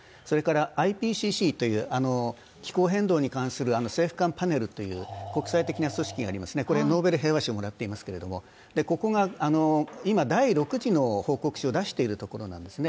ＩＰＣＣという気候変動に関する政府間パネルという国際的な組織があります、ノーベル平和賞をもらっていますがここが今、第６次の報告書を出しているところなんですね。